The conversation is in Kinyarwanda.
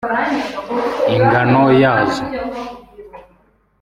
Ingano yazo